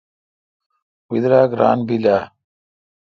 بیدراگ ران بیل اہ؟